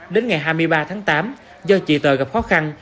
đến ngày hai mươi ba tháng tám do chị tờ gặp khó khăn